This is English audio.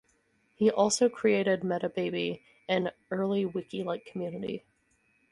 He also created Metababy, an early wiki-like community.